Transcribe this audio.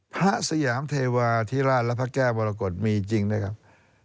สยามเทวาธิราชและพระแก้วมรกฏมีจริงนะครับ